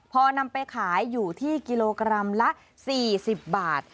พอนำไปขายอยู่ที่กิโลกรัมละ๔๐บาท